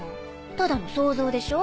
ただの想像でしょ？